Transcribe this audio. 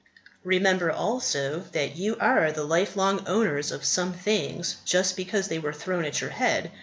Remember also that you are the life long owners of some things just because they were thrown at your head.